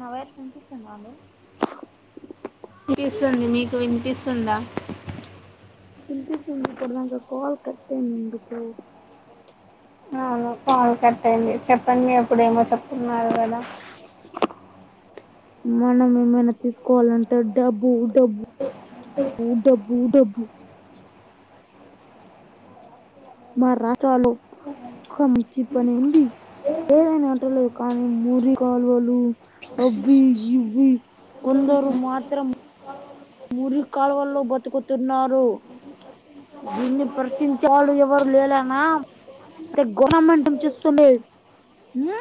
నా వాయిస్ వినిపిస్తుందా అండి వినిపిస్తుంది ఇప్పుడు దాకా కాల్ కట్టైంది ఎందుకో కాల్ కట్ అయింది చెప్పండి ఎప్పుడేమో చెప్తున్నారు కదా మనం ఏమైనా తీసుకోవాలంటే డబ్బు డబ్బు డబ్బు డబ్బు మా రాష్టలో ఒక మంచి పని ఉంది లేదని అంటలేదు కానీ మురికి కాలువలు అవి ఇవి కొందరు మాత్రం మురికి కాలువల్లో బతుకుతున్నారు దీన్ని ప్రశ్నించే వారు ఎవరూ లేరనా అయితే గవర్నమెంట్ ఏం చేస్తుంది హు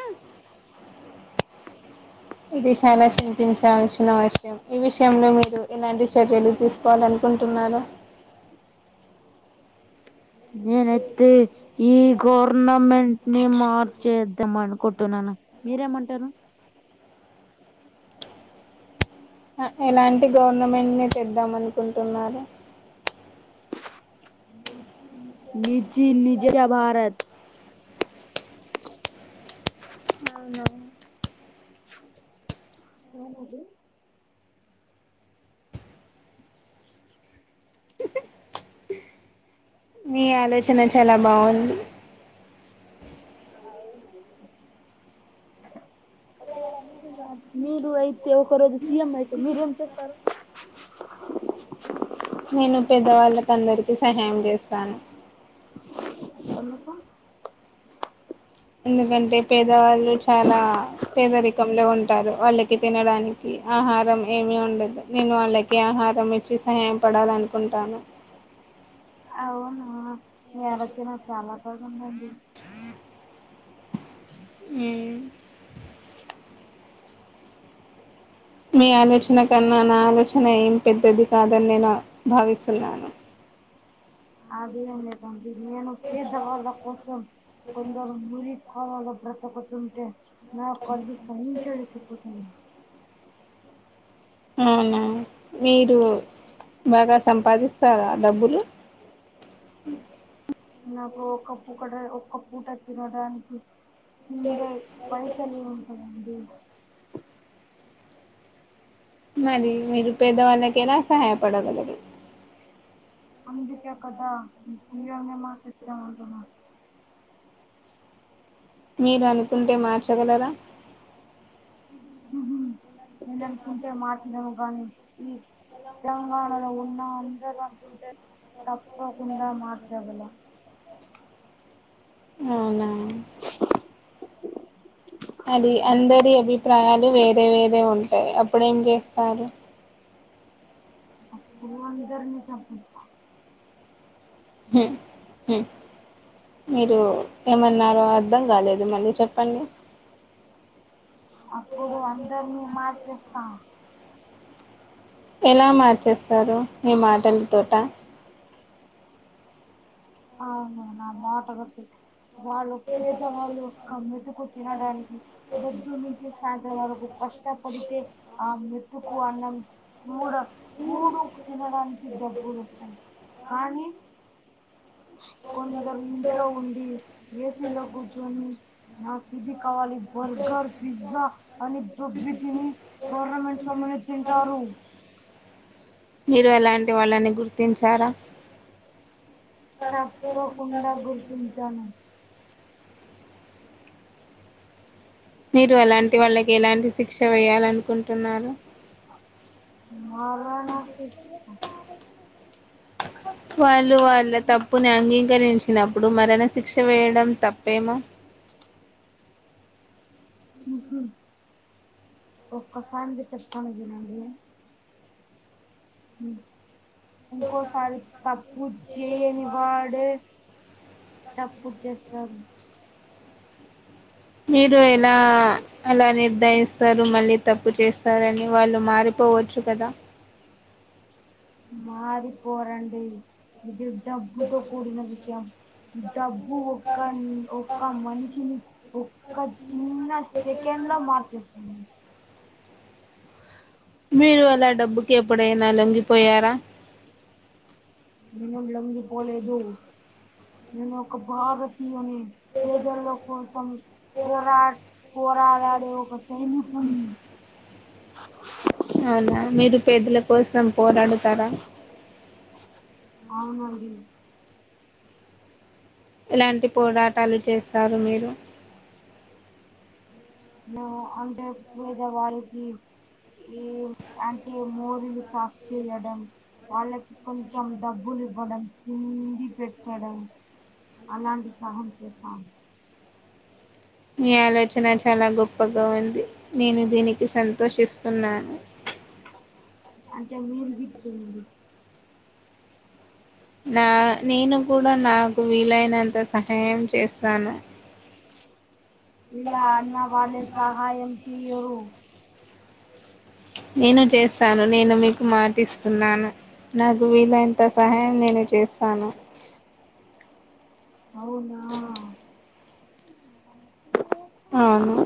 ఇది చాలా చింతించాల్సిన విషయం ఈ విషయంలో మీరు ఎలాంటి చర్యలు తీసుకోవాలనుకుంటున్నారు నేనైతే ఈ గవర్నమెంట్ ని మార్చేద్దాం అనుకుంటున్నాను మీరేమంటారు ఎలాంటి గవర్నమెంట్ని తెద్దాం అనుకుంటున్నారు నిజీ నిజేయ భారత్ ఏమ అది మీ ఆలోచన చాలా బాగుంది ఒకవేళ మీరు మీరు అయితే ఒక రోజు సీఎం అయితే మీరేం చేస్తారు నేను పేద్దవాళ్ళక అందరికి సహాయం చేస్తాను చేస్తాను ఎందుకు ఎందుకంటే పేదవాళ్ళు చాలా పేదరికంలో ఉంటారు వాళ్ళకి తినడాని కి ఆహారం ఏమీ ఉండదు నేను వాళ్ళకి ఆహారం ఇచ్చి సహాయం పడాలనుకుంటాను. అవునా మీ ఆలోచన చాలా ఉమ్మ్ మీ ఆలోచన కన్నా నా ఆలోచ హన ఏం పెద్దది కాదని నేను భావిస్తున్నాను అది ఏం లేక నేను పేద్దవాళ్ళ కోసం కొందరు ముడి వాళ్ల బ్రతకుతుంటే నా కళ్ళు సహించలేకపోతున్నా అవునా మీరు బాగా సంపాదిస్తారా డబ్బులు. నాకు ఒకప్పు కూడ ఒక్కపూట తినడానికి తిండే పైసలు ఏం ఉంటాయండి మరి మీరు పేదవాళ్ళకి ఎలా సహాయపడగలరు. అందుకే కదా ఈ సీఎం నే మార్చేద్దాం అంటున్నారు మీరు అనుకుంటే మార్చగలరా హ నేను అనుకుంటే మార్చలేము గాని ఈ తెలంగాణలో ఉన్న అందర అనుకుంటే తప్పకుండా మార్చగలం అవునా అది అందరి అభిప్రాయాలు వేరే వేరే ఉంటాయి అప్ ఇప్పుడేం చేస్తారు అప్పుడు అందరని తప్పిస్తా హ్మ్ హ్మ్ మీరు ఏమన్నారో అర్థం కాలేదు మళ్ళీ చెప్పండి అప్పుడు అందరినీ మార్చేస్తా ఎలా మార్చేస్తారు మీ మాటల తోట అవును నా మాటలతోటి వాళ్ళు పేదవాళ్ళు ఒక్క మెతుకు తినడానికి పొద్దు నుంచి సాయంత్రం వరకు కష్టపడితే ఆ మెతుకు అన్నం కూడా కూడు తినడానికి డబ్బులు వస్తాయి కానీ కొందరు ఇంట్లో ఉండి ఏ లో కూర్చొని నాకు ఇది కావాలి బర్గర్ పిజ్జా అని దొబ్బి తిని గవర్నమెంట్ సొమ్ము ని తింటారు మీరు అలాంటి వాళ్ళని గుర్తించారా తప్పకుండా గుర్తించాను మీరు అలాంటి వాళ్ళకి ఎలాంటి శిక్ష వేయ్యాలనుకుంటున్నారు వార నాసిక్ వాళ్ళు వాళ్ళ తప్పుని అంగీకరించి వినప్పుడు మరనా శిక్ష వేయడం తప్పేమో ఒక్కసారిగా చెప్తాను వినండి ఉ ఇంకోసారి తప్పు చేయని వాడే తప్పు చేస్తారు మీరు ఎలా అలా నిర్ధయిస్తారు మళ్ళీ తప్పు చేస్తారని వాళ్ళు మారిపోవచ్చు కదా మారిపోరండి ఇది డబ్బుతో కూడిన విషం ఉ డబ్బు ఒక్క ఒక్క మనిషిని ఒక్క చిన్న సెకండ్ లో మార్చేస్తుంది మీరు లా డబ్బుకి ఎప్పుడే లోంగి పోయారా నేను లొంగిపోలేదు నేను ఒక భారతీయుని పేదోల్ల కోసం పోరా పోరాడాడే ఒక సైనికున్ని అవునా మీరు పేదల కోసం పోరాడుతారా హ గండి ఇలాంటి పోరాటాలు చేస్తారు మీరు నో అంటే పేద వాళ్ళకి ఎం అంటే మోరీలు సాఫ్ చేయడం వాళ్ళకి కొంచెం డబ్బులు ఇవ్వడం తిండి పెట్టడం అలాంటి సహాం చేస్తాను మీ ఆలోచన చాలా గొప్పగా ఉంది నేను దీనికి సంతోషిస్తున్నాను అంటే మీరు తీర్చండి నా నేను కూడా నాకు వీలైనంత సహాయం చేస్తాను ఇలా అన్న వాళ్ళే సహాయం చెయ్యరు నేను చేస్తాను నేను మీకు మాటిస్తున్నాను నాకు వీలు అయెంత సహాయం నేను చేస్తాను అవునా అవును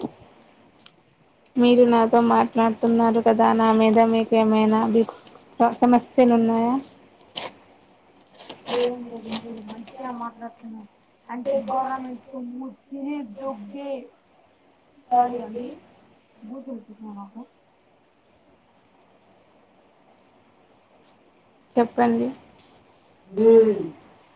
మీరు నాతో మాట్లాడుతున్నారు కదా నా మీద మీకు ఎమైనా అభి సమస్య తిలు ఉన్నాయా [unintelligible] చ్చ మాట్లాడుతున్నాం అంటే గవర్నమెంట్ సొమ్ము తిని దొబ్బే సారి అండి బూతులు తీసిన నాకు చెప్పండి ఏయ్! ! ! ! ! ! ! !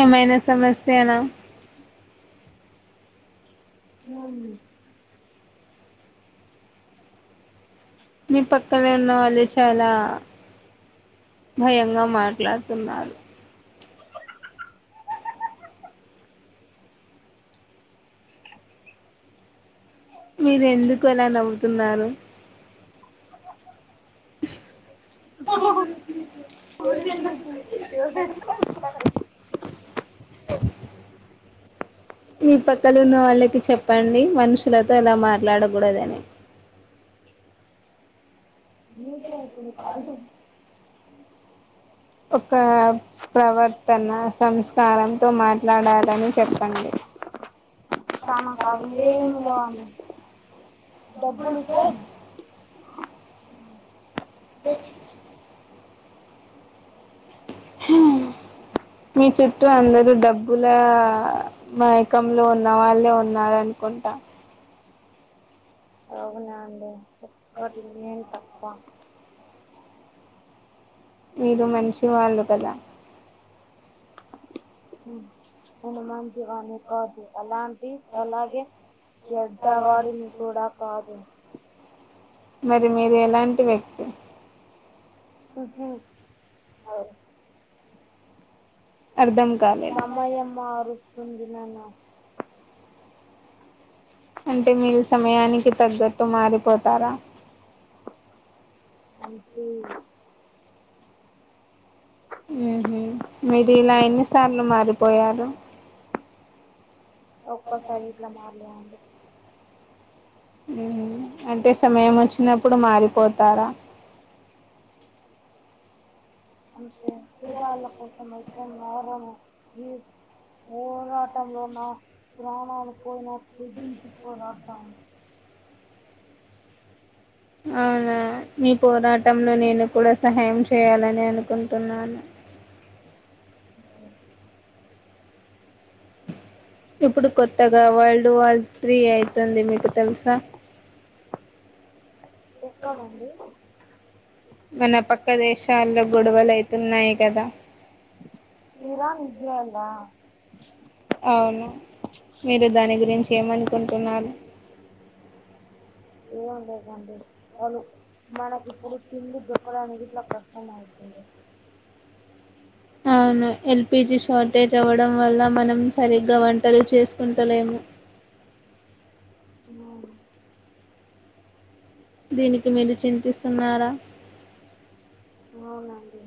ఏమైనా సమస్ చేనా తీయగుంది మీ పక్కనే ఉన్న వాళ్ళు చాలా భయంగా మాట్లాడుతున్నారు మీరు ఎందుకు అలా నవ్వుతున్నారు ఎ ఎ మీ పక్కలు ఉన్న వాళ్ళకి చెప్పండి మనుషులతో అలా మాట్లాడకూడదని మీ ఇ త పాడు అ ఒక ప్రవర్తన సంస్కారంతో మాట్లాడాలని చెప్పండి డబ్బులిస్తే అ మ్ మీ చుట్టూ అందరూ డబ్బుల మయకంలో ఉన్న వాళ్ళే ఉన్నారు అనుకుంటా అవున అండి ఒక్క పిన్ని ని తప్ప మీరు మంచి వాళ్ళు కదా మ్ మేం మంచివాళ్ళం కాదు అలా అలాగే చెడ్డవాడిని కూడా కాదు మరి మీరు ఎలాంటి వ్యక్తి ఉహు అవును అర్ధం కాలే తందిన్నాను అంటే మీరు సమయానికి తగ్గట్టు మారిపోత తారా అంతే ఆహ మీరు అలా ఎన్నిసార్లు మారిపోయారు ఒక్కసారి ఇట్లా మార్లేవండి అంటే సమయం వచ్చినప్పుడు మారిపోతారా అంటే పేదళ్ల కోసం అయి మేం మారము ఈ పోరాటంలో నా ప్రాణాలు పోయినా తెగ్గించి పోరాడతాము అవునా నీ పోరాటంలో నేను కూడా సహాయం చేయాలని అనుకుంటున్నాను అఓ ఇప్పుడు కొత్తగా వరల్డ్ వార్ త్రీ అవుతుంది మీకు తెలుసా ఎక్కడండి ఇరాన్ ఉజ్రయేల్ దా అవును మీరు దాని గురించి ఏమనుకుంటున్నారు ఏం లేదండి వాళ్ళు మనకి ఇప్పుడు తిండి దొరకడానికి ఇట్లా కష్టం అవుతంది అవును ఎల్పిజీ షార్టేజ్ అవ్వడం వల్ల మనం సరిగ్గా వంటలు చేసుకుంటలేము అవును దీనికి మీరు చింతిస్తున్నారా అవునండి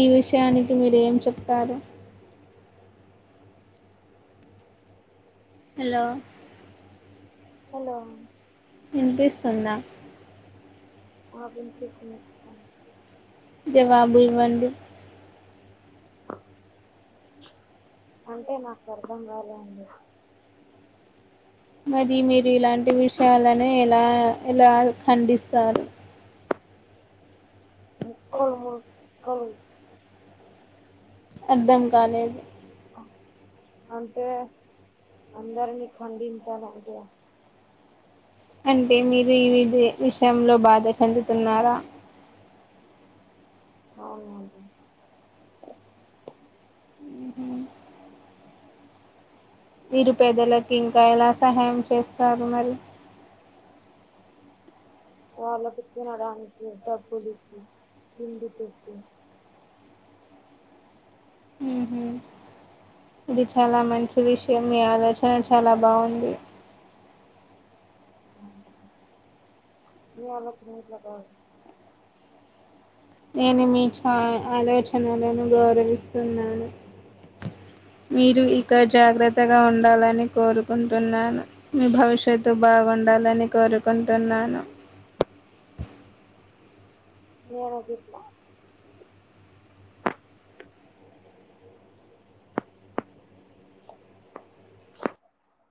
ఈ విషయానికి మీరు ఏం చెప్తారు హలో హలో ఇనిపిస్తుందా ఆ వినిపిస్తుంది చెప్పండి జవాబు ఇవ్వండి అంటే నాకు అర్థం కాలే అండి మరి మీరు ఇలాంటి విషయాలనే ఎలా ఎలా ఖండిస్తారు ఓ అవును అర్ధం కాలేదు హుమ్ అంటే అందరిని ఖండించాలి అంటే అంటే మీరు ఈ వి విషయంలో బాధ చెందుతున్నారా అవునండి నిరుపేదలకి ఇంకా ఎలా సహాయం చేస్తారు మరి వాలకి తినడానికి డబ్బులు ఇచ్చి తిండి పెట్టి హుమ్ హు ఇది చాలా మంచి విషయం మీ ఆలోచన చాలా బావుంది మీ ఆలోచన ఎట్ల నేను మీ చా ఆలోచనలను గౌరవిస్తున్నాను మీరు ఇ ఇంకా జాగ్రత్తగా ఉండాలని కోరుకుంటున్నాను మీ భవిష్యత్తు బాగుండాలని కోరుకుంటున్నాను నేనో గిట్ల